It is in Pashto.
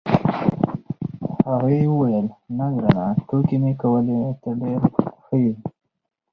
هغې وویل: نه، ګرانه، ټوکې مې کولې، ته ډېر ښه یې.